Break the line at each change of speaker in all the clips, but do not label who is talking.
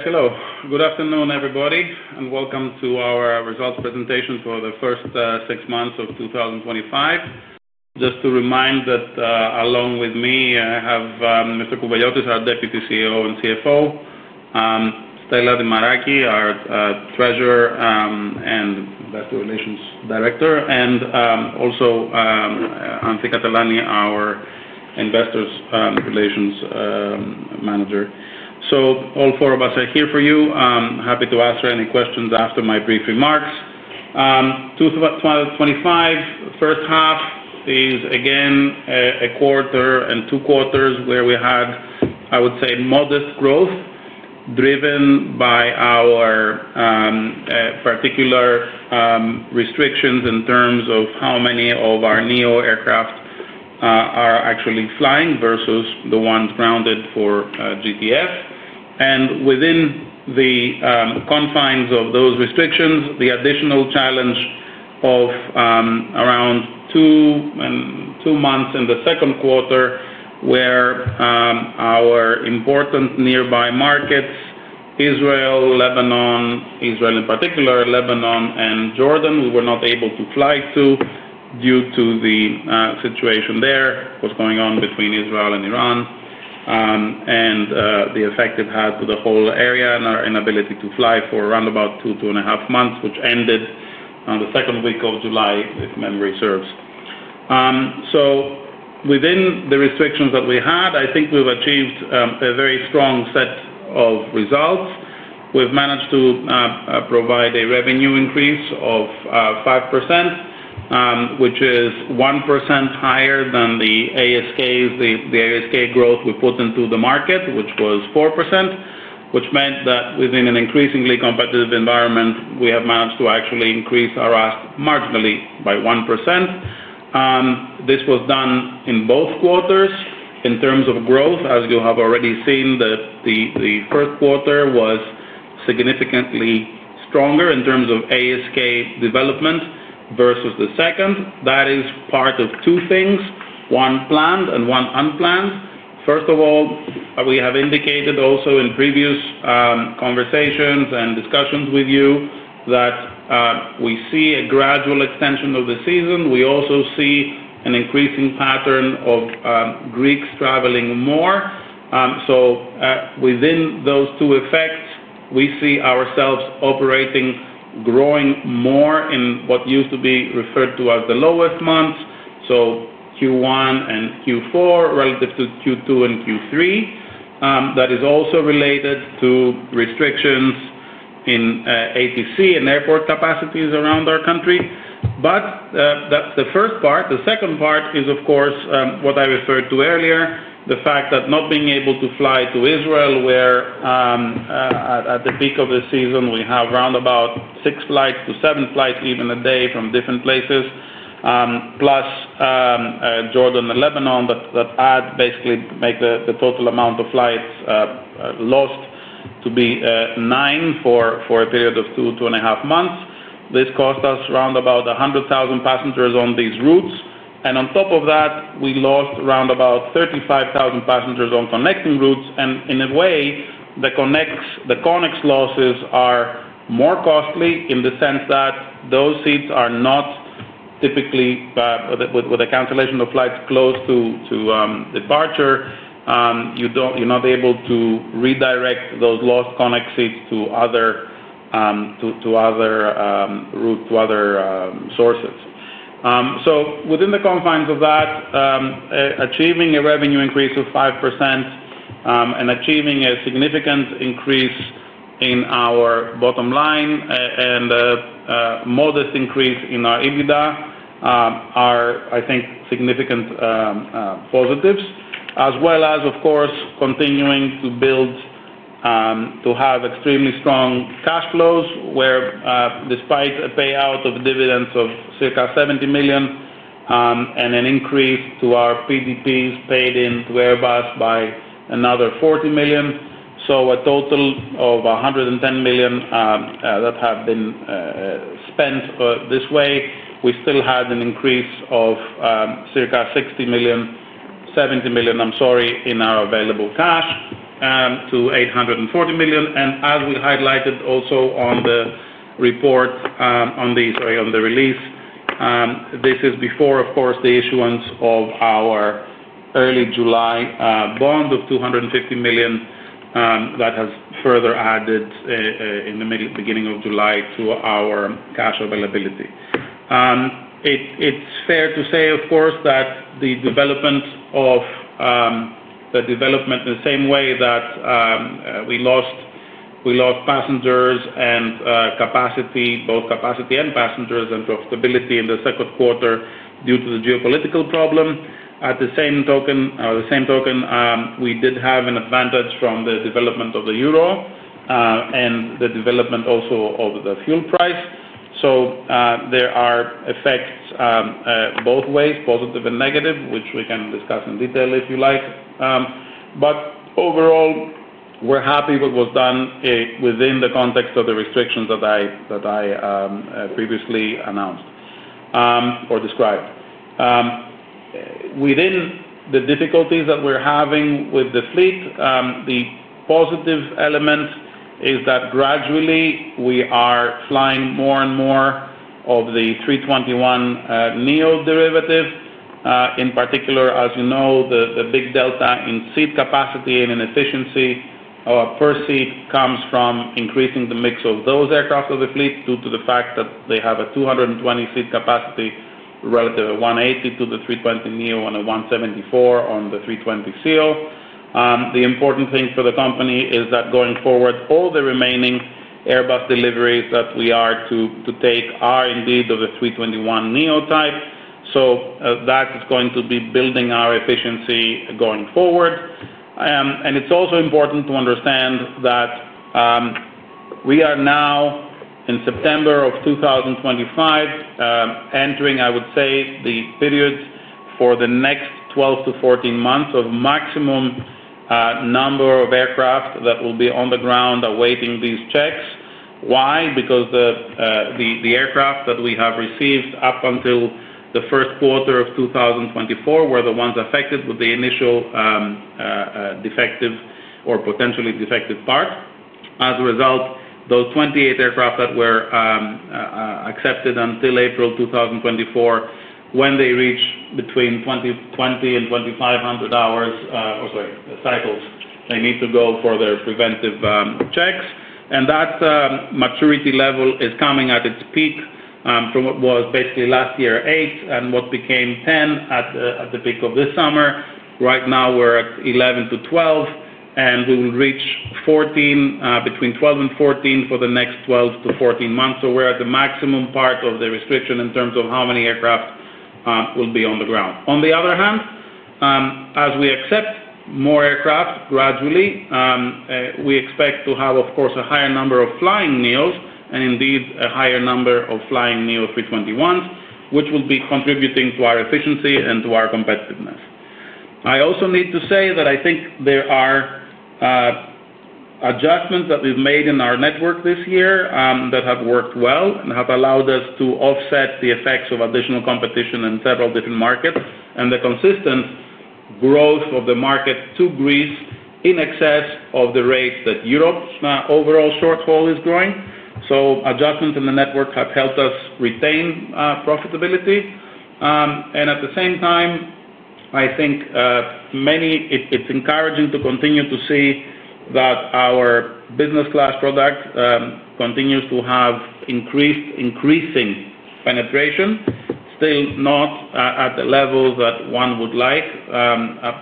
Hello, good afternoon, everybody, and welcome to our results presentation for the first six months of 2025. Just to remind that, along with me, I have Michael Kouveliotis, our Deputy CEO and CFO, Styliani Dimaraki, our Treasurer and Investor Relations Director, and also Anthi Katelani, our Investor Relations Manager. All four of us are here for you. I'm happy to answer any questions after my brief remarks. 2025, the first half is again a quarter and two quarters where we had, I would say, modest growth driven by our, particular, restrictions in terms of how many of our NEO aircraft are actually flying versus the ones grounded for GTF. Within the confines of those restrictions, the additional challenge of around two and two months in the second quarter where our important nearby markets, Israel, Lebanon, Israel in particular, Lebanon, and Jordan, we were not able to fly to due to the situation there, what's going on between Israel and Iran, and the effect it had for the whole area and our inability to fly for around about two, two and a half months, which ended on the second week of July, if memory serves. Within the restrictions that we had, I think we've achieved a very strong set of results. We've managed to provide a revenue increase of 5%, which is 1% higher than the ASKs, the ASK growth we put into the market, which was 4%, which meant that within an increasingly competitive environment, we have managed to actually increase our RAS marginally by 1%. This was done in both quarters in terms of growth. As you have already seen, the first quarter was significantly stronger in terms of ASK development versus the second. That is part of two things, one planned and one unplanned. First of all, we have indicated also in previous conversations and discussions with you that we see a gradual extension of the season. We also see an increasing pattern of Greeks traveling more. Within those two effects, we see ourselves operating, growing more in what used to be referred to as the lowest months, so Q1 and Q4 relative to Q2 and Q3. That is also related to restrictions in ATC and airport capacities around our country. That's the first part. The second part is, of course, what I referred to earlier, the fact that not being able to fly to Israel, where at the peak of the season, we have around about six flights to seven flights, even a day from different places. Plus, Jordan and Lebanon, that add basically make the total amount of flights lost to be nine for a period of two, two and a half months. This cost us around about 100,000 passengers on these routes. On top of that, we lost around about 35,000 passengers on connecting routes. In a way, the connects losses are more costly in the sense that those seats are not typically, with a cancellation of flights close to departure, you're not able to redirect those lost connect seats to other routes, to other sources. Within the confines of that, achieving a revenue increase of 5%, and achieving a significant increase in our bottom line, and a modest increase in our EBITDA, are, I think, significant positives, as well as, of course, continuing to build, to have extremely strong cash flows where, despite a payout of dividends of circa $70 million, and an increase to our PDPs paid into Airbus by another $40 million. So a total of $110 million that have been spent this way. We still had an increase of circa $60 million, $70 million, I'm sorry, in our available cash, to $840 million. As we highlighted also on the report, on the release, this is before, of course, the issuance of our early July bond of $250 million that has further added in the beginning of July to our cash availability. It's fair to say, of course, that the development in the same way that we lost passengers and capacity, both capacity and passengers and dropped stability in the second quarter due to the geopolitical problem. At the same token, we did have an advantage from the development of the euro, and the development also of the fuel price. There are effects both ways, positive and negative, which we can discuss in detail if you like. Overall, we're happy with what was done within the context of the restrictions that I previously announced or described. Within the difficulties that we're having with the fleet, the positive element is that gradually we are flying more and more of the 321neo derivative. In particular, as you know, the big delta in seat capacity and inefficiency per seat comes from increasing the mix of those aircraft of the fleet due to the fact that they have a 220 seat capacity relative to 180 to the 320neo and a 174 on the 320ceo. The important thing for the company is that going forward, all the remaining Airbus deliveries that we are to take are indeed of the A321neo type. That is going to be building our efficiency going forward. It's also important to understand that we are now in September 2025, entering, I would say, the period for the next 12-14 months of a maximum number of aircraft that will be on the ground awaiting these checks. Why? Because the aircraft that we have received up until the first quarter of 2024 were the ones affected with the initial defective or potentially defective part. As a result, those 28 aircraft that were accepted until April 2024, when they reach between 2,000 and 2,500 cycles, they need to go for the preventive checks. That maturity level is coming at its peak, from what was basically last year eight and what became 10 at the peak of this summer. Right now, we're at 11 to 12, and we will reach between 12 and 14 for the next 12-14 months. We're at the maximum part of the restriction in terms of how many aircraft will be on the ground. On the other hand, as we accept more aircraft gradually, we expect to have, of course, a higher number of flying neos and indeed a higher number of flying A321neos, which will be contributing to our efficiency and to our competitiveness. I also need to say that I think there are adjustments that we've made in our network this year that have worked well and have allowed us to offset the effects of additional competition in several different markets and the consistent growth of the market to Greece in excess of the rate that Europe's overall shortfall is growing. Adjustments in the network have helped us retain profitability. At the same time, I think it's encouraging to continue to see that our business class product continues to have increasing penetration, still not at the level that one would like,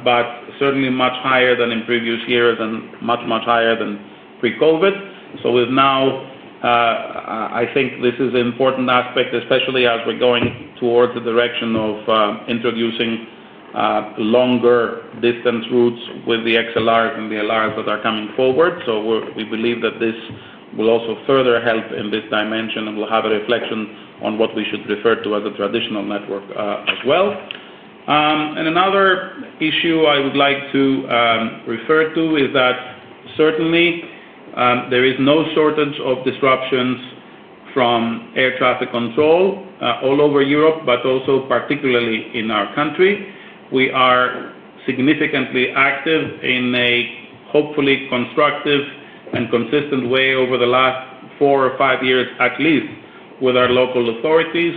but certainly much higher than in previous years and much, much higher than pre-COVID. We've now, I think this is an important aspect, especially as we're going towards the direction of introducing longer distance routes with the A321XLRs and the A321LRs that are coming forward. We believe that this will also further help in this dimension and will have a reflection on what we should refer to as a traditional network as well. Another issue I would like to refer to is that certainly, there is no shortage of disruptions from air traffic control all over Europe, but also particularly in our country. We are significantly active in a hopefully constructive and consistent way over the last four or five years, at least with our local authorities.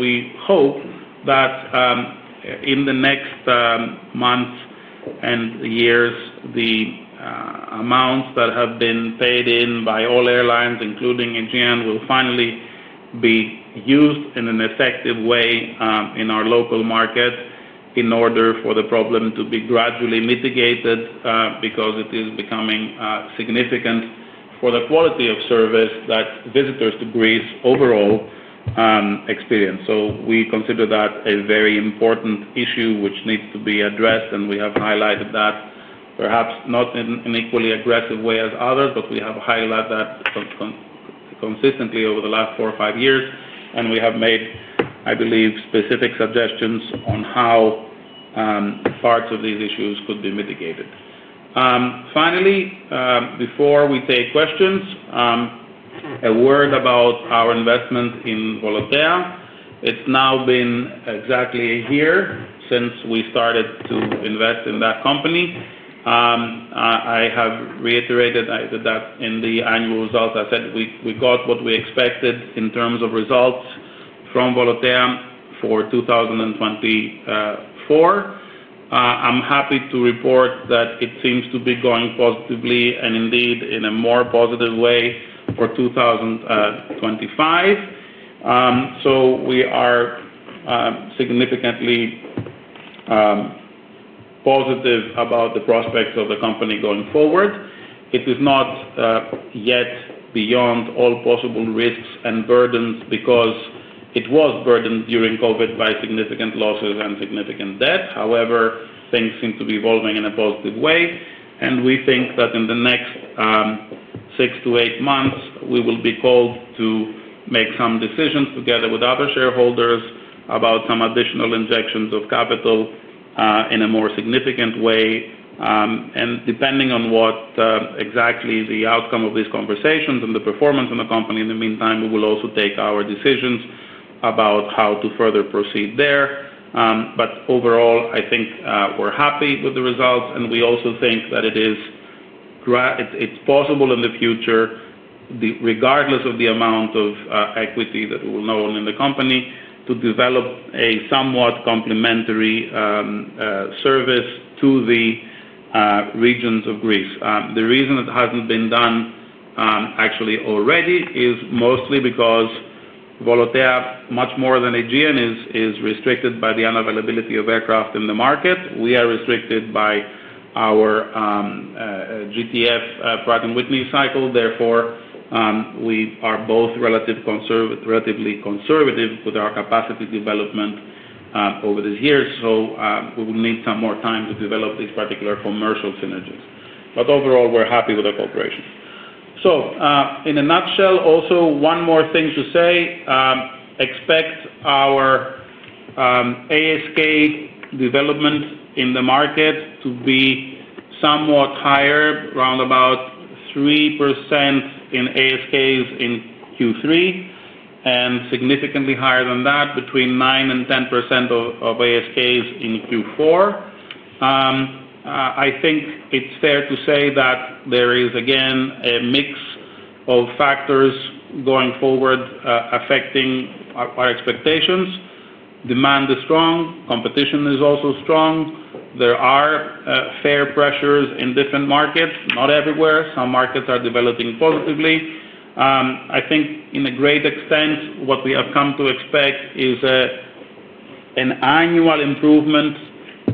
We hope that in the next months and years, the amounts that have been paid in by all airlines, including Aegean will finally be used in an effective way in our local market in order for the problem to be gradually mitigated, because it is becoming significant for the quality of service that visitors to Greece overall experience. We consider that a very important issue which needs to be addressed, and we have highlighted that perhaps not in an equally aggressive way as others, but we have highlighted that consistently over the last four or five years. We have made, I believe, specific suggestions on how parts of these issues could be mitigated. Finally, before we take questions, a word about our investment in Volotea. It's now been exactly a year since we started to invest in that company. I have reiterated that in the annual results, I said we got what we expected in terms of results from Volotea for 2024. I'm happy to report that it seems to be going positively and indeed in a more positive way for 2025. We are significantly positive about the prospects of the company going forward. It is not yet beyond all possible risks and burdens because it was burdened during COVID by significant losses and significant debt. However, things seem to be evolving in a positive way. We think that in the next six to eight months, we will be called to make some decisions together with other shareholders about some additional injections of capital in a more significant way. Depending on exactly the outcome of these conversations and the performance in the company in the meantime, we will also take our decisions about how to further proceed there. Overall, I think we're happy with the results, and we also think that it is possible in the future, regardless of the amount of equity that we'll own in the company, to develop a somewhat complementary service to the regions of Greece. The reason it hasn't been done actually already is mostly because Volotea, much more than Aegean is restricted by the unavailability of aircraft in the market. We are restricted by our GTF, pride and weekly cycle. Therefore, we are both relatively conservative with our capacity development over the years. We will need some more time to develop these particular commercial synergies. Overall, we're happy with the cooperation. In a nutshell, also, one more thing to say, expect our ASK developments in the market to be somewhat higher, around about 3% in ASKs in Q3, and significantly higher than that, between 9% and 10% of ASKs in Q4. I think it's fair to say that there is, again, a mix of factors going forward affecting our expectations. Demand is strong. Competition is also strong. There are fair pressures in different markets, not everywhere. Some markets are developing positively. I think to a great extent, what we have come to expect is an annual improvement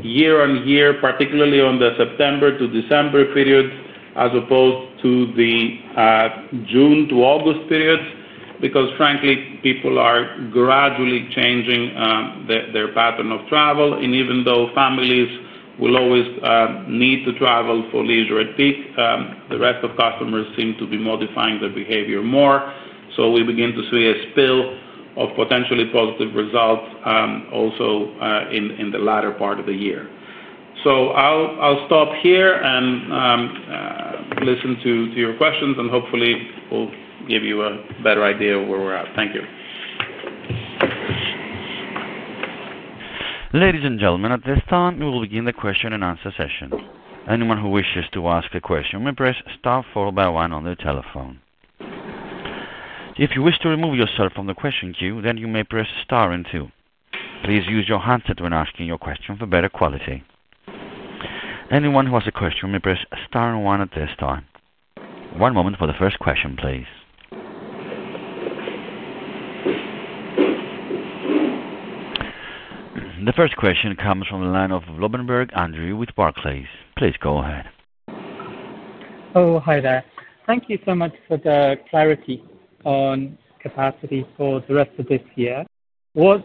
year on year, particularly on the September to December period, as opposed to the June to August periods, because frankly, people are gradually changing their pattern of travel. Even though families will always need to travel for leisure at peak, the rest of customers seem to be modifying their behavior more. We begin to see a spill of potentially positive results, also, in the latter part of the year. I'll stop here and listen to your questions, and hopefully, we'll give you a better idea of where we're at. Thank you.
Ladies and gentlemen, at this time, we will begin the question and answer session. Anyone who wishes to ask a question may press star and one on their telephone. If you wish to remove yourself from the question queue, then you may press star and two. Please use your handset when asking your question for better quality. Anyone who has a question may press star and one at this time. One moment for the first question, please. The first question comes from the line of Andrew Lobbenberg with Barclays. Please go ahead.
Hi there. Thank you so much for the clarity on capacity for the rest of this year. What's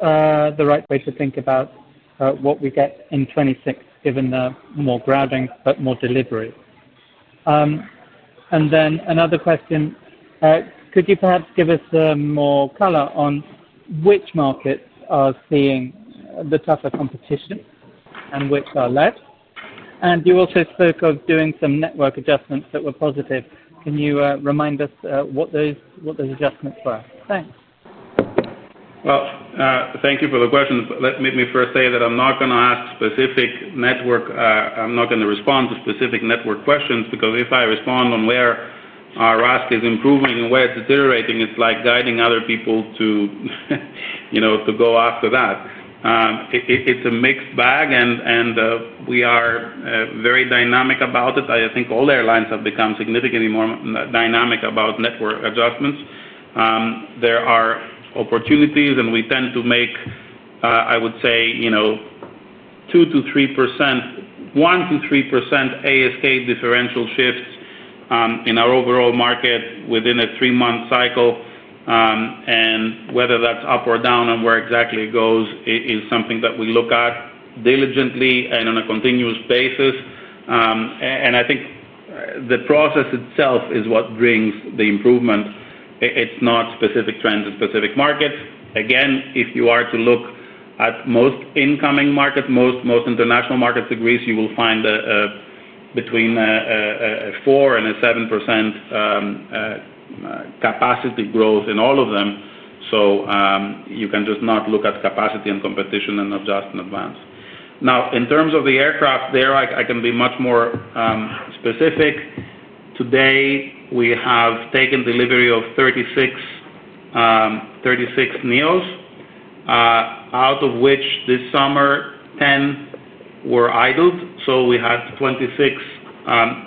the right way to think about what we get in 2026, given the more crowding but more delivery? Could you perhaps give us some more color on which markets are seeing the tougher competition and which are less? You also spoke of doing some network adjustments that were positive. Can you remind us what those adjustments were? Thanks.
Thank you for the question. Let me first say that I'm not going to respond to specific network questions because if I respond on where our RAS is improving and where it's deteriorating, it's like guiding other people to, you know, to go after that. It's a mixed bag, and we are very dynamic about it. I think all airlines have become significantly more dynamic about network adjustments. There are opportunities, and we tend to make, I would say, you know, 2%-3%, 1%-3% ASK differential shifts in our overall market within a three-month cycle. Whether that's up or down and where exactly it goes is something that we look at diligently and on a continuous basis. I think the process itself is what brings the improvement. It's not specific trends in specific markets. Again, if you are to look at most incoming markets, most international markets to Greece, you will find between a 4% and a 7% capacity growth in all of them. You can just not look at capacity and competition and adjust in advance. Now, in terms of the aircraft, there, I can be much more specific. Today, we have taken delivery of 36 NEOs, out of which this summer, 10 were idled. We have 26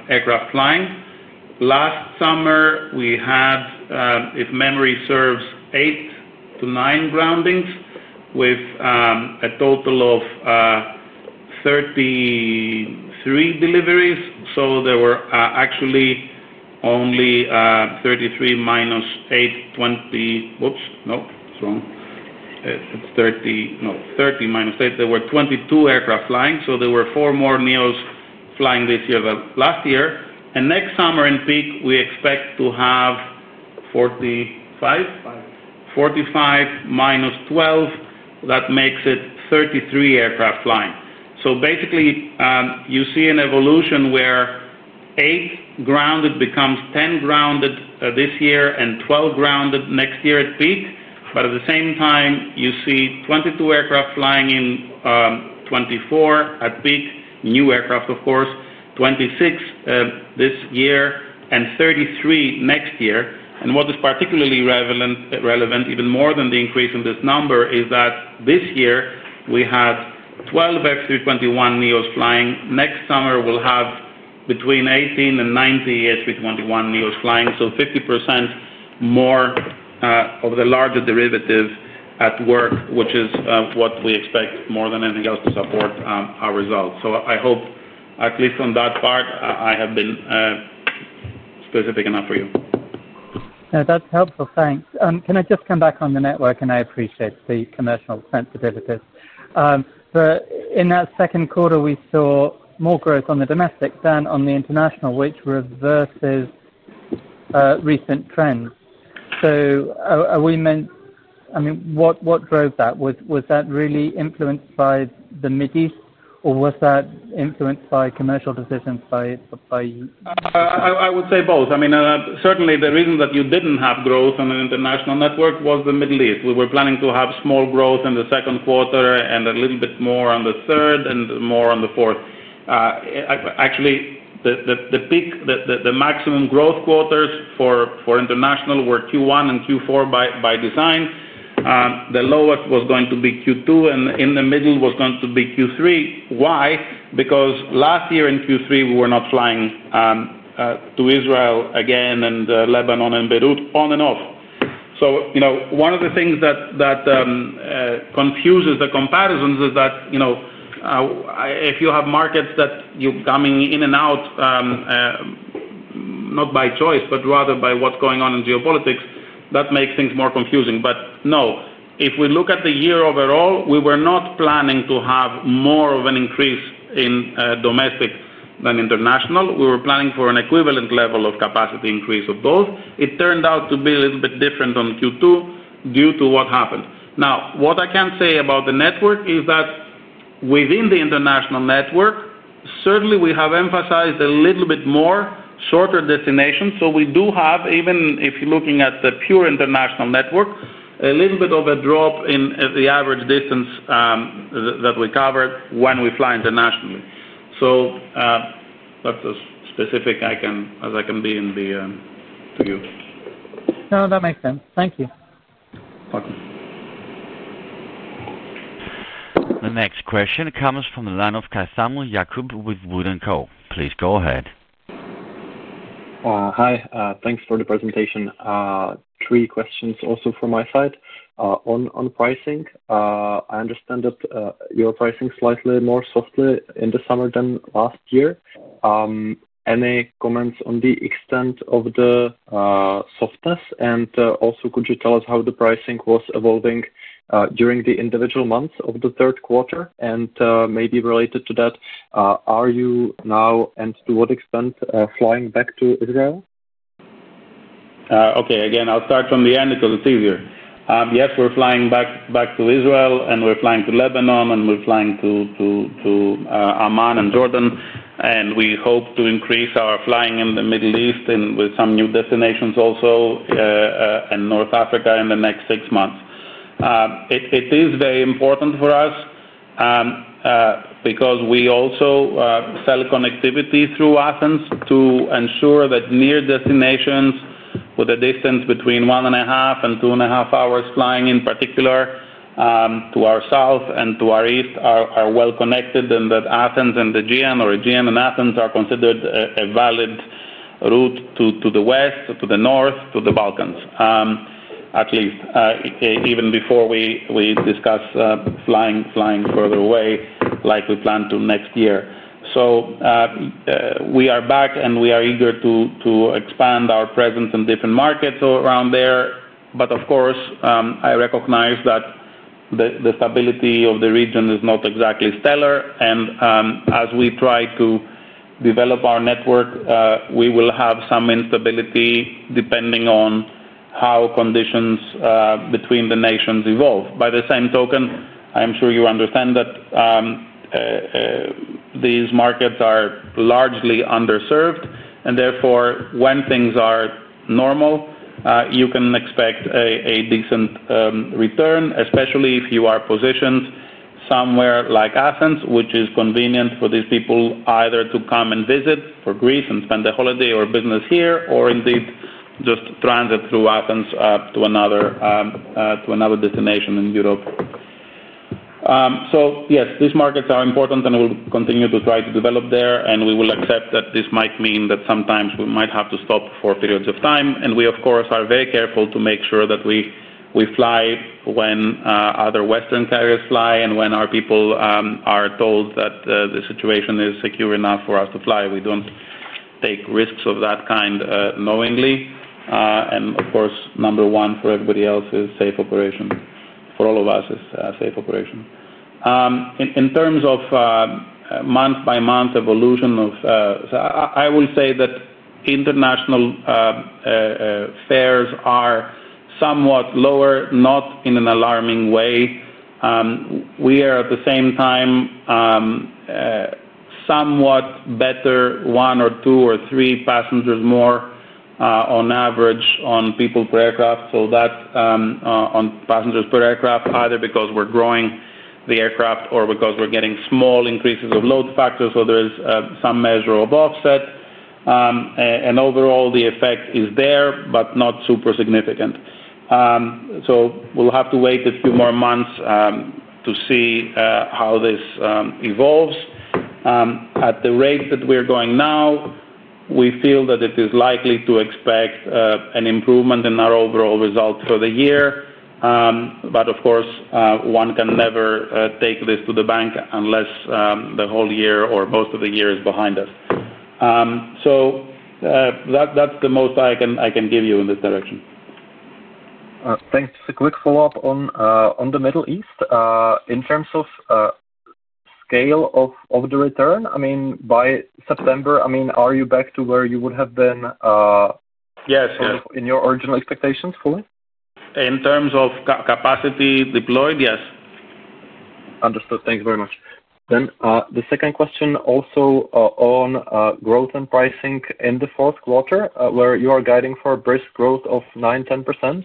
aircraft flying. Last summer, we had, if memory serves, eight to nine groundings with a total of 33 deliveries. There were actually only 33 minus 8, 20. Whoops, nope, it's wrong. It's 30, no, 30 minus 8. There were 22 aircraft flying. There were four more NEOs flying this year than last year. Next summer in peak, we expect to have 45, 45 minus 12. That makes it 33 aircraft flying. Basically, you see an evolution where eight grounded becomes 10 grounded this year and 12 grounded next year at peak. At the same time, you see 22 aircraft flying in 2024 at peak, new aircraft, of course, 26 this year and 33 next year. What is particularly relevant, relevant even more than the increase in this number, is that this year we had 12 A321neo flying. Next summer, we'll have between 18 and 19 A321neo flying. So 50% more of the larger derivative at work, which is what we expect more than anything else to support our results. I hope at least on that part, I have been specific enough for you.
That's helpful. Thanks. Can I just come back on the network? I appreciate the commercial sensitivity. In that second quarter, we saw more growth on the domestic than on the international, which reverses recent trends. What drove that? Was that really influenced by the Middle East, or was that influenced by commercial decisions by you?
I would say both. Certainly, the reason that you didn't have growth on an international network was the Middle East. We were planning to have small growth in the second quarter and a little bit more in the third and more in the fourth. Actually, the maximum growth quarters for international were Q1 and Q4 by design. The lowest was going to be Q2, and in the middle was going to be Q3. Why? Because last year in Q3, we were not flying to Israel and Lebanon and Beirut on and off. One of the things that confuses the comparisons is that if you have markets that you're coming in and out, not by choice, but rather by what's going on in geopolitics, that makes things more confusing. If we look at the year overall, we were not planning to have more of an increase in domestic than international. We were planning for an equivalent level of capacity increase of both. It turned out to be a little bit different in Q2 due to what happened. What I can say about the network is that within the international network, certainly we have emphasized a little bit more shorter destinations. We do have, even if you're looking at the pure international network, a little bit of a drop in the average distance that we cover when we fly internationally. That's as specific as I can be to give.
No, that makes sense. Thank you.
The next question comes from the line of Jakub Caithaml with Wood & Co. Please go ahead.
Hi, thanks for the presentation. Three questions also from my side. On pricing, I understand that you are pricing slightly more softly in the summer than last year. Any comments on the extent of the softness? Also, could you tell us how the pricing was evolving during the individual months of the third quarter? Maybe related to that, are you now and to what extent flying back to Israel?
Okay, again, I'll start from the end because it's easier. Yes, we're flying back to Israel, and we're flying to Lebanon, and we're flying to Amman and Jordan. We hope to increase our flying in the Middle East and with some new destinations also in North Africa in the next six months. It is very important for us because we also sell connectivity through Athens to ensure that near destinations with a distance between one and a half and two and a half hours flying, in particular to our south and to our east, are well connected and that Athens and Aegean Airlines or Aegean and Athens are considered a valid route to the west, to the north, to the Balkans. Actually, even before we discuss flying further away like we plan to next year, we are back and we are eager to expand our presence in different markets around there. Of course, I recognize that the stability of the region is not exactly stellar. As we try to develop our network, we will have some instability depending on how conditions between the nations evolve. By the same token, I'm sure you understand that these markets are largely underserved. Therefore, when things are normal, you can expect a decent return, especially if you are positioned somewhere like Athens, which is convenient for these people either to come and visit for Greece and spend the holiday or business here, or indeed just transit through Athens to another destination in Europe. Yes, these markets are important and we will continue to try to develop there. We will accept that this might mean that sometimes we might have to stop for periods of time. We, of course, are very careful to make sure that we fly when other Western carriers fly and when our people are told that the situation is secure enough for us to fly. We don't take risks of that kind knowingly. Number one for everybody else is safe operation. For all of us, it's a safe operation. In terms of month-by-month evolution, I will say that international fares are somewhat lower, not in an alarming way. We are at the same time somewhat better, one or two or three passengers more on average on people per aircraft. That's on passengers per aircraft, either because we're growing the aircraft or because we're getting small increases of load factors. There is some measurable offset. Overall, the effect is there, but not super significant. We will have to wait a few more months to see how this evolves. At the rate that we're going now, we feel that it is likely to expect an improvement in our overall results for the year. Of course, one can never take this to the bank unless the whole year or most of the year is behind us. That's the most I can give you in this direction.
Thanks. Just a quick follow-up on the Middle East. In terms of scale of the return, I mean, by September, are you back to where you would have been?
Yes.
In your original expectations fully?
In terms of capacity deployed, yes.
Understood. Thank you very much. The second question also on growth and pricing in the fourth quarter, where you are guiding for a brisk growth of 9-10%.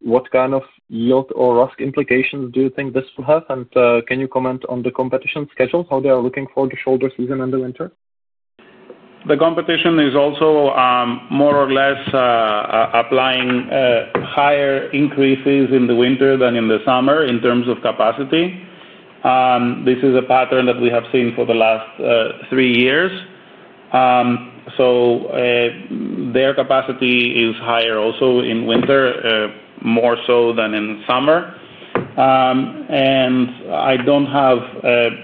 What kind of yield or risk implications do you think this will have? Can you comment on the competition schedules, how they are looking for the shoulder season and the winter?
The competition is also more or less applying higher increases in the winter than in the summer in terms of capacity. This is a pattern that we have seen for the last three years. Their capacity is higher also in winter, more so than in summer. I don't have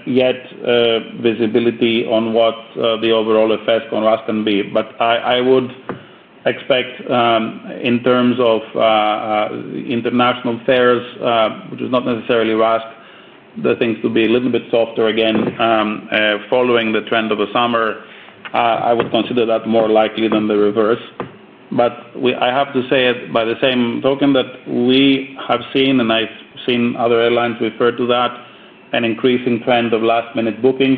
yet visibility on what the overall effects on RAS can be. I would expect in terms of international fares, which is not necessarily RAS, the things to be a little bit softer again, following the trend of the summer. I would consider that more likely than the reverse. I have to say by the same token that we have seen, and I've seen other airlines refer to that, an increasing trend of last-minute bookings.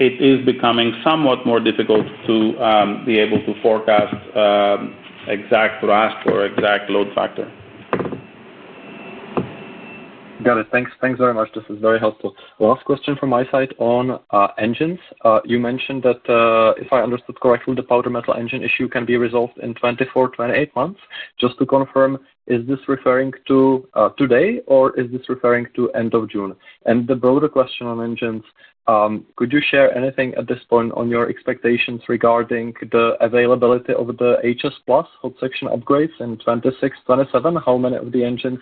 It is becoming somewhat more difficult to be able to forecast exact RAS or exact load factor.
Got it. Thanks. Thanks very much. This is very helpful. Last question from my side on engines. You mentioned that, if I understood correctly, the powder metal engine issue can be resolved in 24, 28 months. Just to confirm, is this referring to today or is this referring to end of June? The broader question on engines, could you share anything at this point on your expectations regarding the availability of the HS Plus HUD section upgrades in 2026, 2027? How many of the engines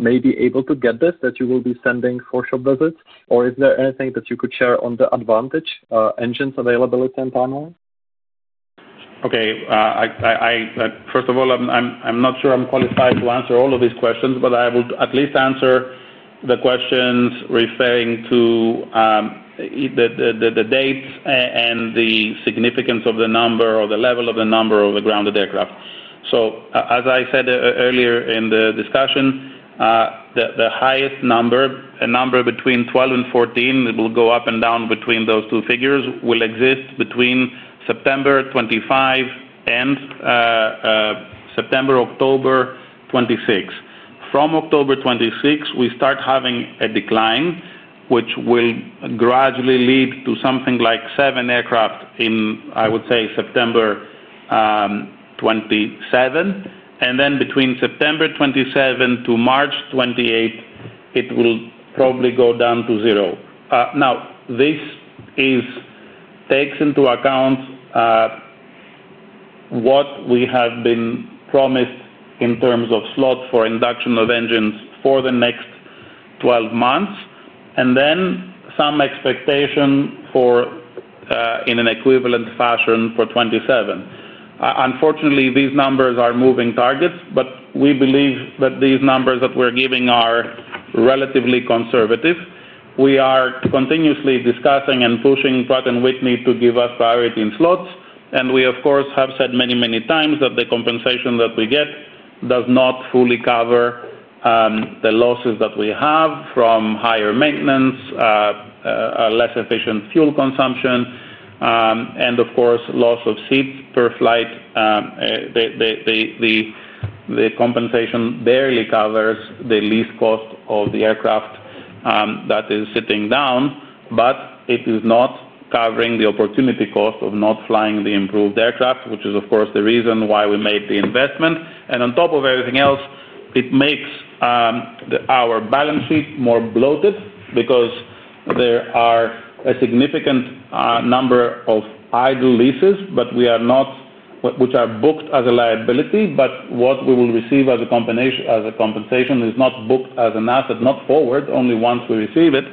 may be able to get this that you will be sending for shop visits? Is there anything that you could share on the advantage engines availability and timeline?
Okay. First of all, I'm not sure I'm qualified to answer all of these questions, but I will at least answer the questions referring to the dates and the significance of the number or the level of the number of the grounded aircraft. As I said earlier in the discussion, the highest number, a number between 12 and 14, it will go up and down between those two figures, will exist between September 25 and October 26. From October 26, we start having a decline, which will gradually lead to something like seven aircraft in, I would say, September 27. Between September 27 to March 28, it will probably go down to zero. This takes into account what we have been promised in terms of slots for induction of engines for the next 12 months, and then some expectation for, in an equivalent fashion, for 2027. Unfortunately, these numbers are moving targets, but we believe that these numbers that we're giving are relatively conservative. We are continuously discussing and pushing Pratt & Whitney to give us priority in slots. We, of course, have said many, many times that the compensation that we get does not fully cover the losses that we have from higher maintenance, less efficient fuel consumption, and, of course, loss of seats per flight. The compensation barely covers the lease cost of the aircraft that is sitting down, but it is not covering the opportunity cost of not flying the improved aircraft, which is, of course, the reason why we made the investment. On top of everything else, it makes our balance sheet more bloated because there are a significant number of idle leases, which are booked as a liability, but what we will receive as a compensation is not booked as an asset, not forward, only once we receive it.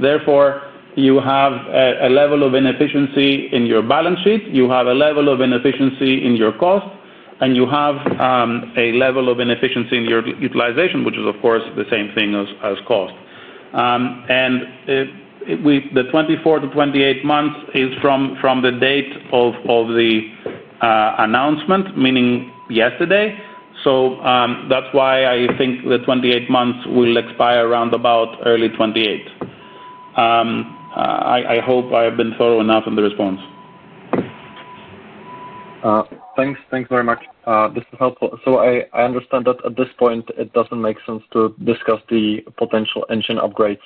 Therefore, you have a level of inefficiency in your balance sheet, you have a level of inefficiency in your cost, and you have a level of inefficiency in your utilization, which is, of course, the same thing as cost. The 24 to 28 months is from the date of the announcement, meaning yesterday. That's why I think the 28 months will expire around about early 2028. I hope I have been thorough enough in the response.
Thanks. Thanks very much. This is helpful. I understand that at this point, it doesn't make sense to discuss the potential engine upgrades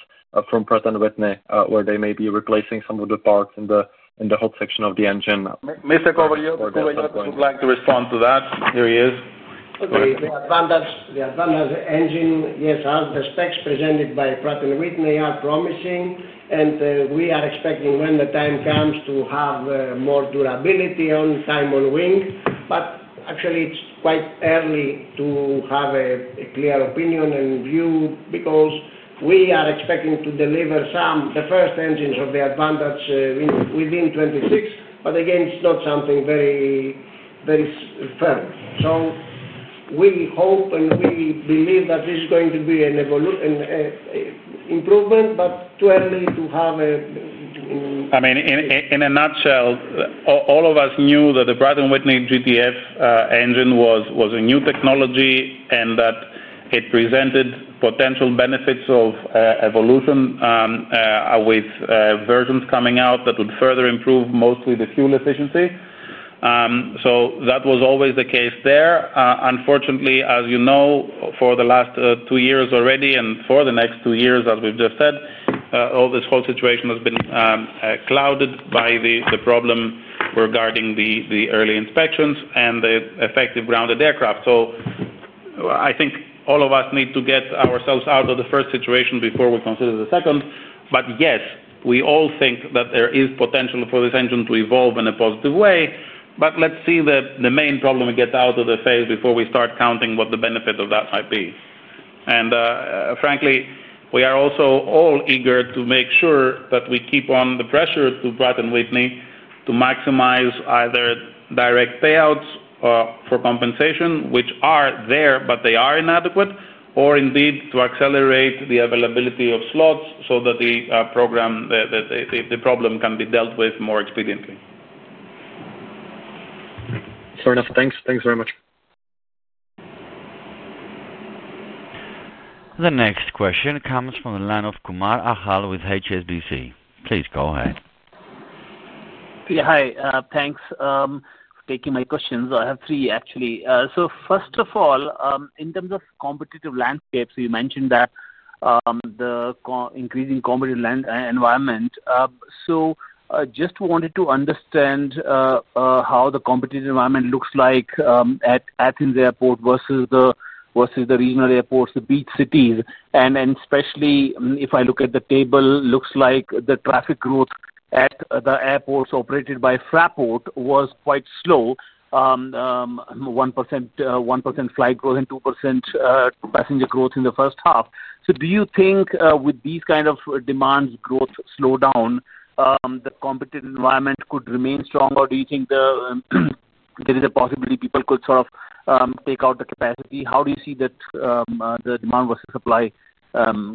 from Pratt & Whitney, where they may be replacing some of the parts in the HUD section of the engine.
Mr. Kouveliotis would like to respond to that. Here he is.
The advantage of the engine, yes, as the specs presented by Pratt & Whitney are promising, and we are expecting when the time comes to have more durability on simul wing. Actually, it's quite early to have a clear opinion and view because we are expecting to deliver some of the first engines of the advantage within 2026. Again, it's not something very, very firm. We hope and we believe that this is going to be an improvement, but too early to have.
I mean, in a nutshell, all of us knew that the Pratt & Whitney GTF engine was a new technology and that it presented potential benefits of evolution with versions coming out that would further improve mostly the fuel efficiency. That was always the case there. Unfortunately, as you know, for the last two years already and for the next two years, as we've just said, this whole situation has been clouded by the problem regarding the early inspections and the effective grounded aircraft. I think all of us need to get ourselves out of the first situation before we consider the second. Yes, we all think that there is potential for this engine to evolve in a positive way. Let's see the main problem we get out of the phase before we start counting what the benefit of that might be. Frankly, we are also all eager to make sure that we keep on the pressure to Pratt & Whitney to maximize either direct payouts for compensation, which are there, but they are inadequate, or indeed to accelerate the availability of slots so that the problem can be dealt with more expediently.
Fair enough. Thanks. Thanks very much.
The next question comes from the line of Achal Kumar with HSBC. Please go ahead.
Yeah, hi. Thanks for taking my questions. I have three, actually. First of all, in terms of competitive landscapes, you mentioned the increasing competitive environment. I just wanted to understand how the competitive environment looks like at Athens International Airport versus the regional airports, the beach cities. Especially if I look at the table, it looks like the traffic growth at the airports operated by Fraport was quite slow. 1% flight growth and 2% passenger growth in the first half. Do you think with these kinds of demand, growth slowed down, the competitive environment could remain strong, or do you think there is a possibility people could sort of take out the capacity? How do you see the demand versus supply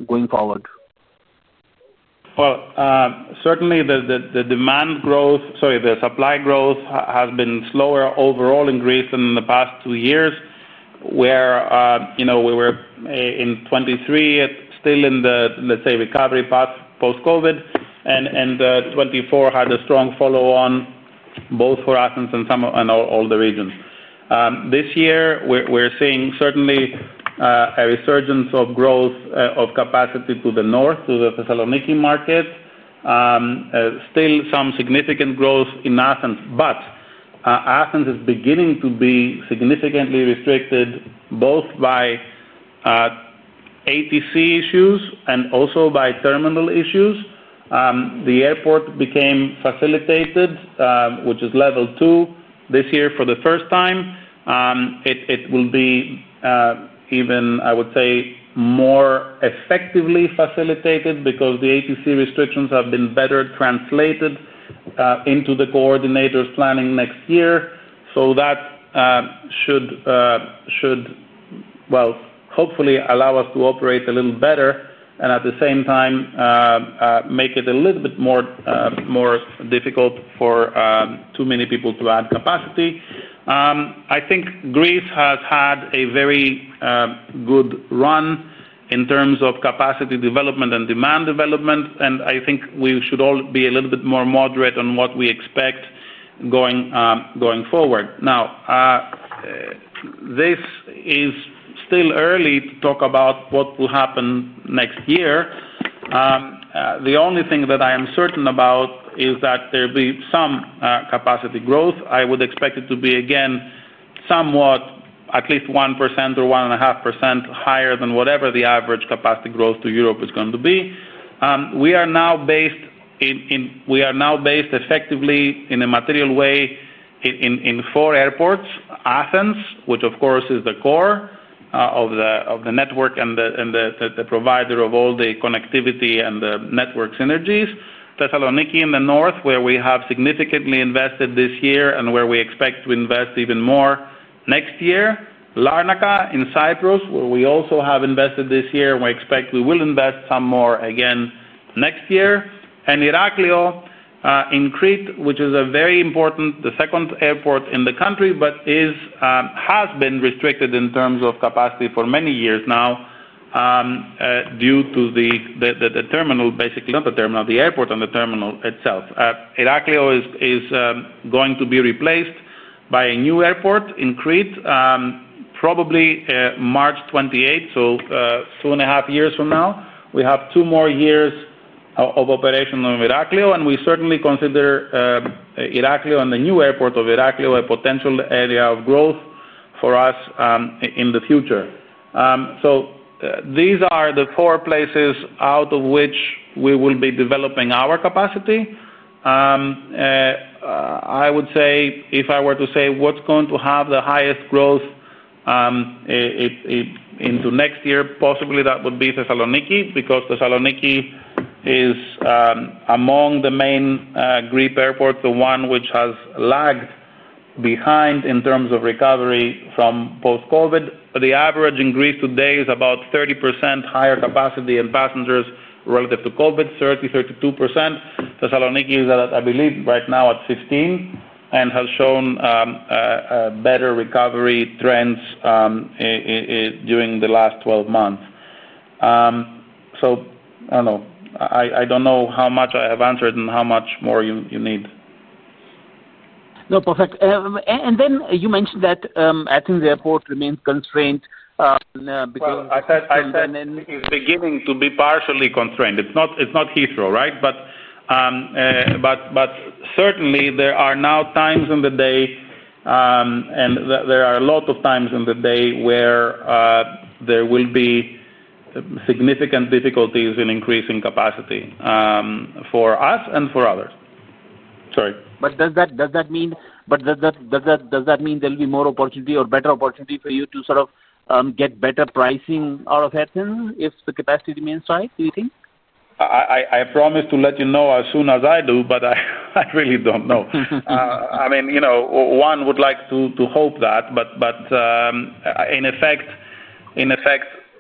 going forward?
Certainly, the demand growth, sorry, the supply growth has been slower overall in Greece than in the past two years, where you know we were in 2023, still in the, let's say, recovery path post-COVID, and 2024 had a strong follow-on both for Athens and some and all the regions. This year, we're seeing certainly a resurgence of growth of capacity to the north, to the Thessaloniki market. Still, some significant growth in Athens, but Athens is beginning to be significantly restricted both by ATC issues and also by terminal issues. The airport became facilitated, which is level two, this year for the first time. It will be even, I would say, more effectively facilitated because the ATC restrictions have been better translated into the coordinators' planning next year. That should, hopefully, allow us to operate a little better and at the same time make it a little bit more difficult for too many people to add capacity. I think Greece has had a very good run in terms of capacity development and demand development, and I think we should all be a little bit more moderate on what we expect going forward. Now, this is still early to talk about what will happen next year. The only thing that I am certain about is that there will be some capacity growth. I would expect it to be, again, somewhat at least 1% or 1.5% higher than whatever the average capacity growth to Europe is going to be. We are now based effectively in a material way in four airports: Athens, which of course is the core of the network and the provider of all the connectivity and the network synergies; Thessaloniki in the north, where we have significantly invested this year and where we expect to invest even more next year; Larnaca in Cyprus, where we also have invested this year and we expect we will invest some more again next year; and Herakleion in Crete, which is a very important, the second airport in the country, but has been restricted in terms of capacity for many years now due to the terminal, basically, not the terminal, the airport and the terminal itself. Herakleion is going to be replaced by a new airport in Crete, probably March 28, so two and a half years from now. We have two more years of operation on Herakleion, and we certainly consider Herakleion and the new airport of Herakleion a potential area of growth for us in the future. These are the four places out of which we will be developing our capacity. I would say, if I were to say what's going to have the highest growth into next year, possibly that would be Thessaloniki because Thessaloniki is among the main Greek airports, the one which has lagged behind in terms of recovery from post-COVID. The average in Greece today is about 30% higher capacity in passengers relative to COVID, 30%, 32%. Thessaloniki is, I believe, right now at 15% and has shown better recovery trends during the last 12 months. I don't know how much I have answered and how much more you need.
No, perfect. You mentioned that Athens International Airport remains constrained because.
I said Athens is beginning to be partially constrained. It's not Heathrow, right? Certainly, there are now times in the day, and there are a lot of times in the day where there will be significant difficulties in increasing capacity for us and for others.
Sorry, does that mean there'll be more opportunity or better opportunity for you to sort of get better pricing out of Athens if the capacity remains tight, do you think?
I promise to let you know as soon as I do, but I really don't know. I mean, you know, one would like to hope that, but in effect,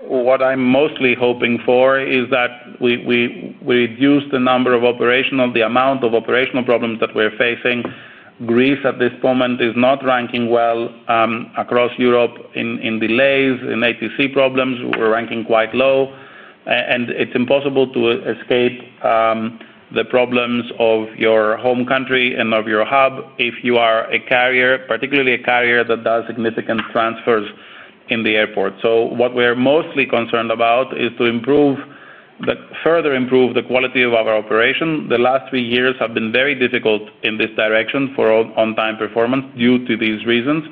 what I'm mostly hoping for is that we reduce the number of operational, the amount of operational problems that we're facing. Greece, at this moment, is not ranking well across Europe in delays, in ATC problems. We're ranking quite low. It's impossible to escape the problems of your home country and of your hub if you are a carrier, particularly a carrier that does significant transfers in the airport. What we're mostly concerned about is to further improve the quality of our operation. The last three years have been very difficult in this direction for on-time performance due to these reasons.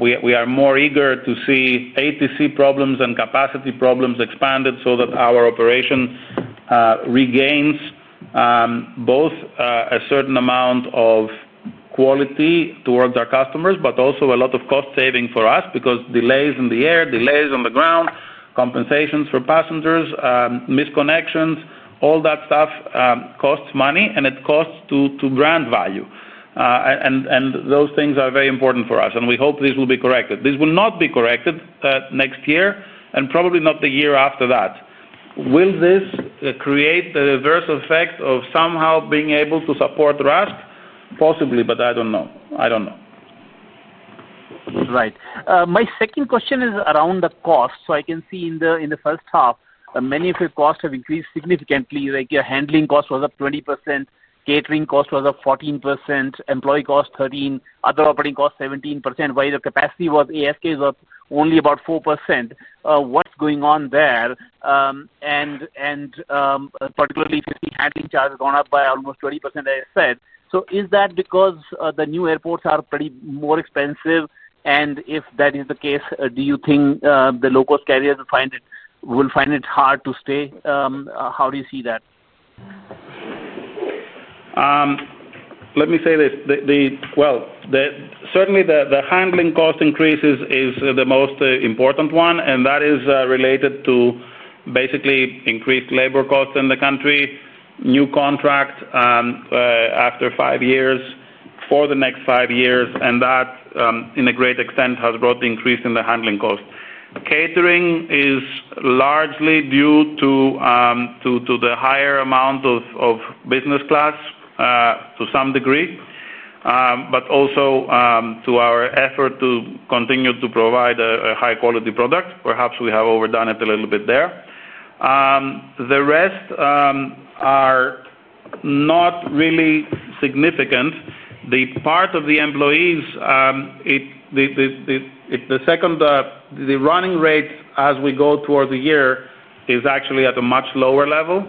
We are more eager to see ATC problems and capacity problems expanded so that our operation regains both a certain amount of quality towards our customers, but also a lot of cost saving for us because delays in the air, delays on the ground, compensations for passengers, misconnections, all that stuff costs money and it costs to brand value. Those things are very important for us. We hope this will be corrected. This will not be corrected next year and probably not the year after that. Will this create the reverse effect of somehow being able to support RASC? Possibly, but I don't know. I don't know.
Right. My second question is around the cost. I can see in the first half, many of your costs have increased significantly. Your handling cost was up 20%, catering cost was up 14%, employee cost 13%, other operating cost 17%, while the capacity was ASKs up only about 4%. What's going on there? Particularly if the handling charges went up by almost 20%, as I said. Is that because the new airports are pretty more expensive? If that is the case, do you think the low-cost carriers will find it hard to stay? How do you see that?
Let me say this. Certainly, the handling cost increase is the most important one, and that is related to basically increased labor costs in the country, new contracts after five years, for the next five years, and that to a great extent has brought the increase in the handling cost. Catering is largely due to the higher amount of business class to some degree, but also to our effort to continue to provide a high-quality product. Perhaps we have overdone it a little bit there. The rest are not really significant. The part of the employees, the running rate as we go toward the year is actually at a much lower level.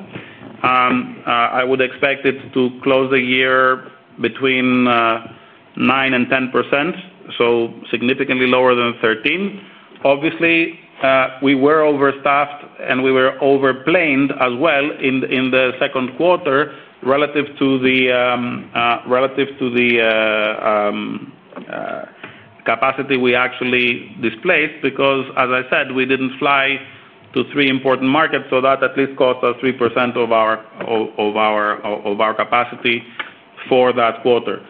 I would expect it to close the year between 9% and 10%, so significantly lower than 13%. Obviously, we were overstaffed and we were overplaned as well in the second quarter relative to the capacity we actually displaced because, as I said, we didn't fly to three important markets, so that at least cost us 3% of our capacity for that quarter.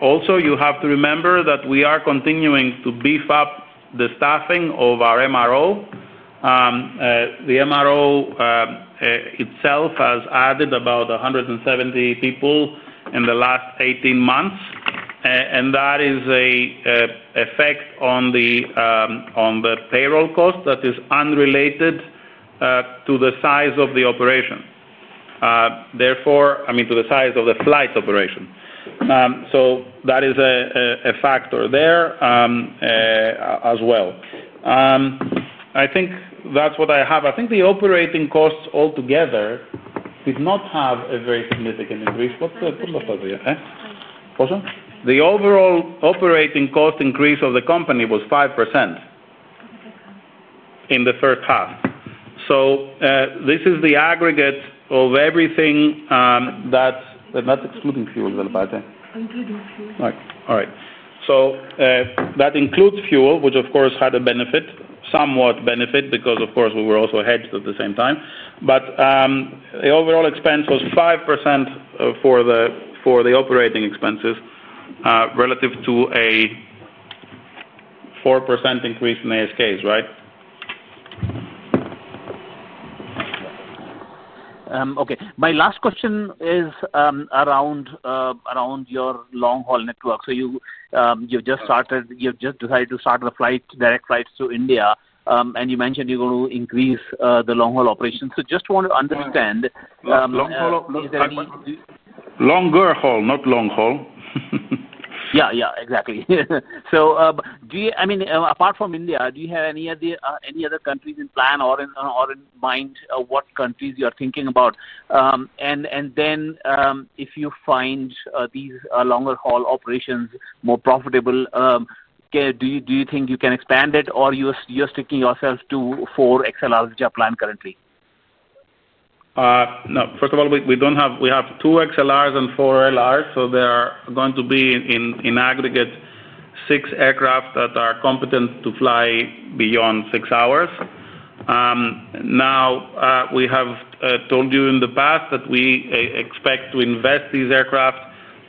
Also, you have to remember that we are continuing to beef up the staffing of our MRO. The MRO itself has added about 170 people in the last 18 months, and that is an effect on the payroll cost that is unrelated to the size of the operation, I mean, to the size of the flight operation. That is a factor there as well. I think that's what I have. I think the operating costs altogether did not have a very significant increase. The overall operating cost increase of the company was 5% in the first half. This is the aggregate of everything. That's excluding fuel, by the way.
Including fuel.
Right. All right. So that includes fuel, which of course had a benefit, somewhat benefit because, of course, we were also hedged at the same time. The overall expense was 5% for the operating expenses relative to a 4% increase in ASKs, right?
Okay. My last question is around your long-haul network. You've just decided to start the direct flights through India, and you mentioned you're going to increase the long-haul operations. I just want to understand, is there any.
Longer haul, not long haul.
Yeah, exactly. Do you, I mean, apart from India, do you have any other countries in plan or in mind what countries you are thinking about? If you find these longer haul operations more profitable, do you think you can expand it or you're sticking yourself to four XLRs which are planned currently?
No, first of all, we don't have, we have two XLRs and four LRs. There are going to be in aggregate six aircraft that are competent to fly beyond six hours. We have told you in the past that we expect to invest these aircraft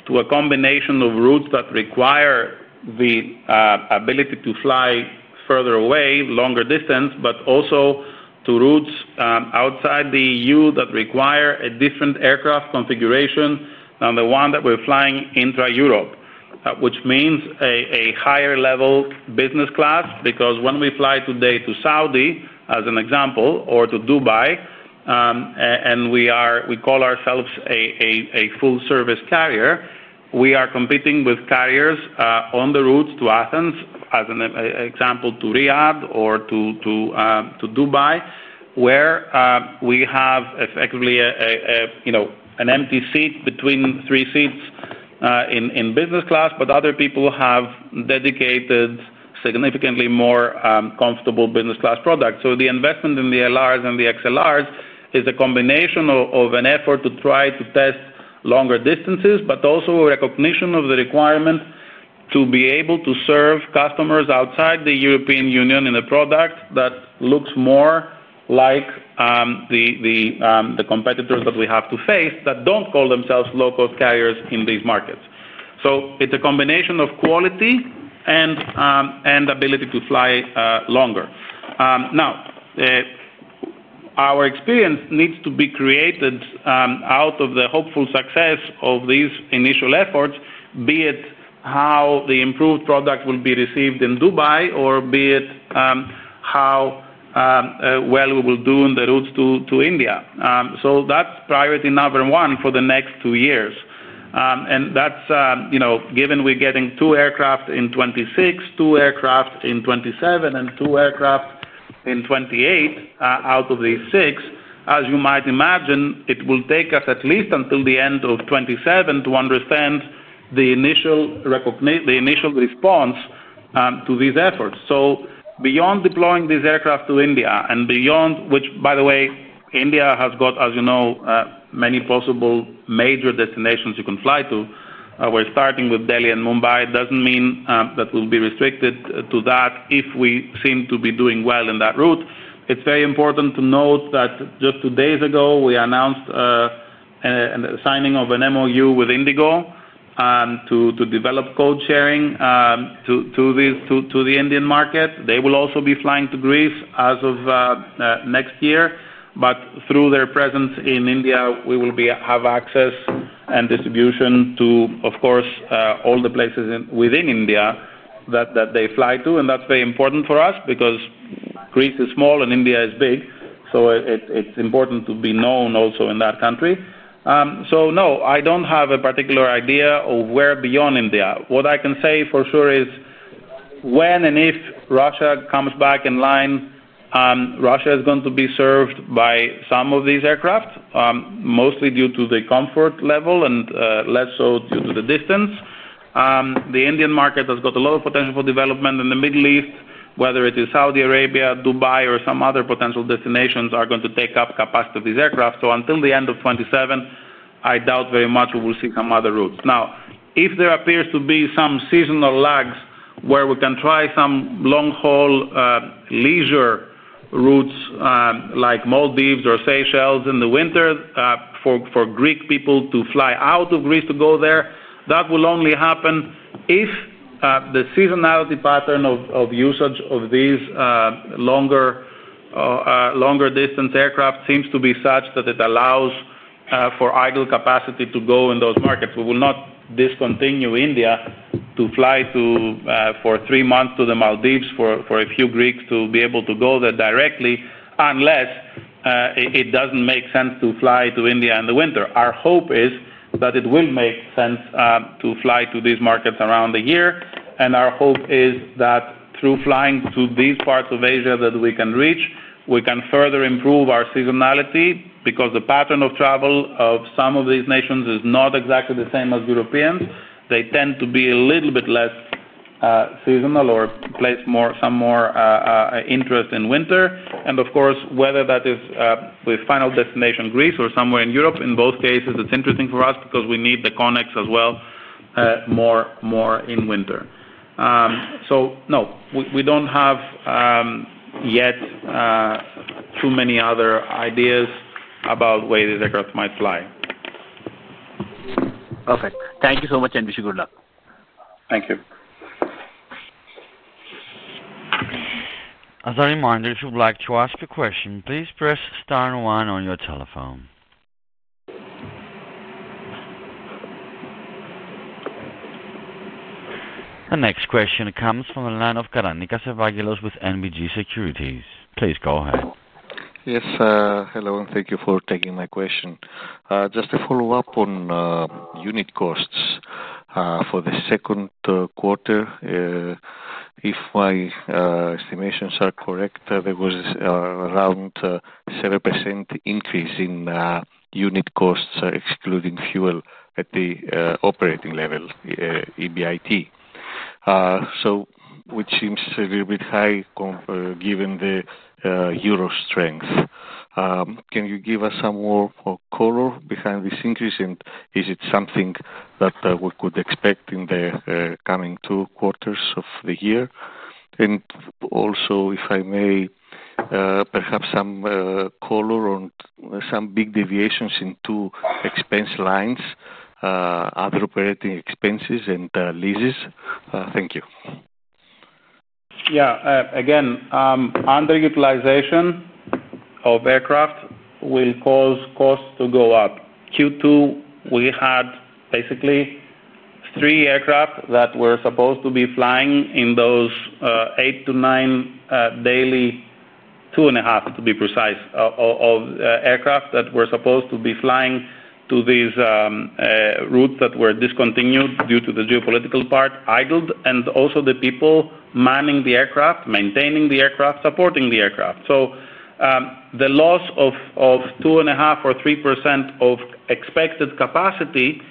to a combination of routes that require the ability to fly further away, longer distance, but also to routes outside the EU that require a different aircraft configuration than the one that we're flying intra-Europe, which means a higher level business class because when we fly today to Saudi, as an example, or to Dubai, and we call ourselves a full-service carrier, we are competing with carriers on the routes to Athens, as an example, to Riyadh or to Dubai, where we have effectively an empty seat between three seats in business class, but other people have dedicated significantly more comfortable business class products. The investment in the LRs and the XLRs is a combination of an effort to try to test longer distances, but also a recognition of the requirement to be able to serve customers outside the European Union in a product that looks more like the competitors that we have to face that don't call themselves low-cost carriers in these markets. It's a combination of quality and ability to fly longer. Our experience needs to be created out of the hopeful success of these initial efforts, be it how the improved product will be received in Dubai or be it how well we will do on the routes to India. That's priority number one for the next two years. Given we're getting two aircraft in 2026, two aircraft in 2027, and two aircraft in 2028 out of these six, as you might imagine, it will take us at least until the end of 2027 to understand the initial response to these efforts. Beyond deploying these aircraft to India, and beyond which, by the way, India has got, as you know, many possible major destinations you can fly to. We're starting with Delhi and Mumbai. It doesn't mean that we'll be restricted to that if we seem to be doing well in that route. It's very important to note that just two days ago, we announced a signing of an MoU with IndiGo to develop code sharing to the Indian market. They will also be flying to Greece as of next year. Through their presence in India, we will have access and distribution to, of course, all the places within India that they fly to. That's very important for us because Greece is small and India is big. It's important to be known also in that country. No, I don't have a particular idea of where beyond India. What I can say for sure is when and if Russia comes back in line, Russia is going to be served by some of these aircraft, mostly due to the comfort level and less so due to the distance. The Indian market has got a lot of potential for development in the Middle East, whether it is Saudi Arabia, Dubai, or some other potential destinations that are going to take up capacity of these aircraft. Until the end of 2027, I doubt very much we will see some other routes. If there appears to be some seasonal lags where we can try some long-haul leisure routes like Maldives or Seychelles in the winter for Greek people to fly out of Greece to go there, that will only happen if the seasonality pattern of usage of these longer distance aircraft seems to be such that it allows for idle capacity to go in those markets. We will not discontinue India to fly for three months to the Maldives for a few Greeks to be able to go there directly unless it doesn't make sense to fly to India in the winter. Our hope is that it will make sense to fly to these markets around the year. Our hope is that through flying to these parts of Asia that we can reach, we can further improve our seasonality because the pattern of travel of some of these nations is not exactly the same as Europeans. They tend to be a little bit less seasonal or place some more interest in winter. Of course, whether that is with final destination Greece or somewhere in Europe, in both cases, it's interesting for us because we need the connects as well more in winter. No, we don't have yet too many other ideas about where these aircraft might fly.
Perfect. Thank you so much, and wish you good luck.
As a reminder, if you'd like to ask a question, please press star one on your telephone. The next question comes from the line of Vangelis Karanikas with NBG Securities. Please go ahead.
Yes. Hello, and thank you for taking my question. Just a follow-up on unit costs for the second quarter. If my estimations are correct, there was around a 7% increase in unit costs, excluding fuel at the operating level, EBIT. This seems a little bit high given the euro strength. Can you give us some more color behind this increase? Is it something that we could expect in the coming two quarters of the year? Also, if I may, perhaps some color on some big deviations into expense lines, other operating expenses, and leases. Thank you.
Yeah. Again, underutilization of aircraft will cause costs to go up. In Q2, we had basically three aircraft that were supposed to be flying in those eight to nine daily, two and a half to be precise, of aircraft that were supposed to be flying to these routes that were discontinued due to the geopolitical part, idled, and also the people manning the aircraft, maintaining the aircraft, supporting the aircraft. The loss of 2.5% or 3% of expected capacity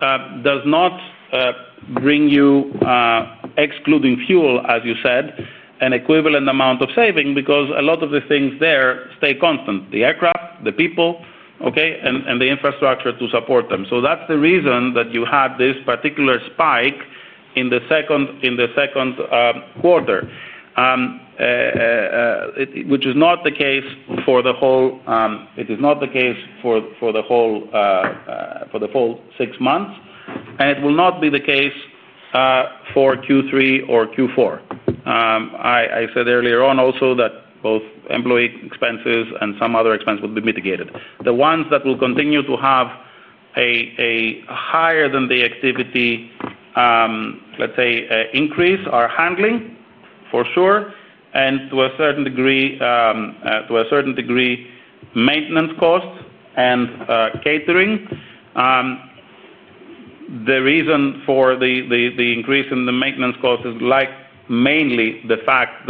does not bring you, excluding fuel, as you said, an equivalent amount of saving because a lot of the things there stay constant: the aircraft, the people, and the infrastructure to support them. That's the reason that you had this particular spike in the second quarter, which is not the case for the whole six months, and it will not be the case for Q3 or Q4. I said earlier on also that both employee expenses and some other expense would be mitigated. The ones that will continue to have a higher than the activity, let's say, increase are handling for sure, and to a certain degree, maintenance costs and catering. The reason for the increase in the maintenance cost is mainly the fact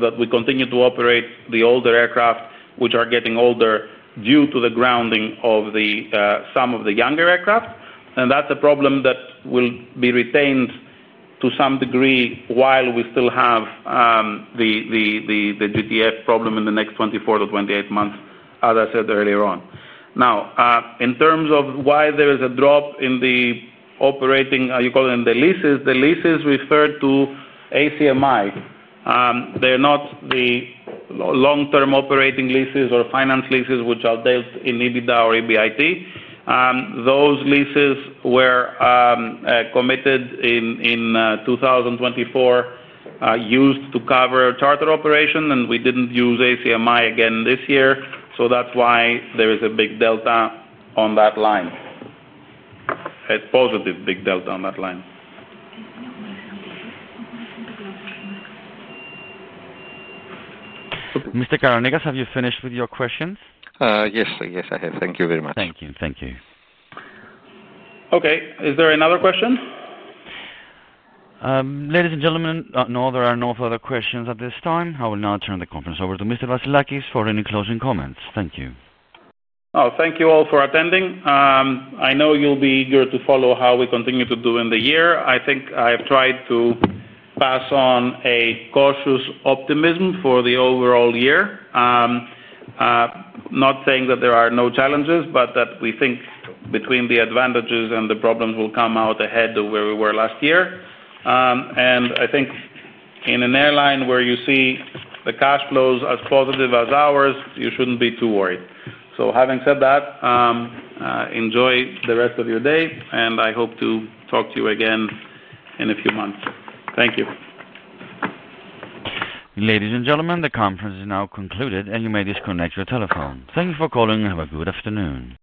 that we continue to operate the older aircraft, which are getting older due to the grounding of some of the younger aircraft. That's a problem that will be retained to some degree while we still have the GTF problem in the next 24 to 28 months, as I said earlier on. Now, in terms of why there is a drop in the operating, you call it in the leases, the leases referred to ACMI. They're not the long-term operating leases or finance leases which are dealt in EBITDA or EBIT. Those leases were committed in 2024, used to cover charter operation, and we didn't use ACMI again this year. That's why there is a big delta on that line. A positive big delta on that line.
Mr. Karanikas, have you finished with your questions?
Yes, I have. Thank you very much.
Thank you. Thank you.
Okay. Is there another question?
Ladies and gentlemen, no, there are no further questions at this time. I will now turn the conference over to Mr. Vassilakis for any closing comments. Thank you.
Thank you all for attending. I know you'll be eager to follow how we continue to do in the year. I think I have tried to pass on a cautious optimism for the overall year. Not saying that there are no challenges, but that we think between the advantages and the problems we'll come out ahead to where we were last year. I think in an airline where you see the cash flows as positive as ours, you shouldn't be too worried. Having said that, enjoy the rest of your day, and I hope to talk to you again in a few months. Thank you.
Ladies and gentlemen, the conference is now concluded, and you may disconnect your telephone. Thank you for calling and have a good afternoon.